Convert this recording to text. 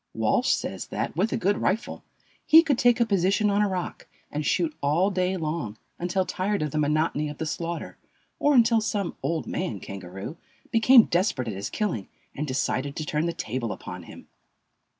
Walsh says that, with a good rifle, he could take a position on a rock and shoot all day long, until tired of the monotony of the slaughter, or until some "old man" kangaroo became desperate at his killing and decided to turn the table upon him.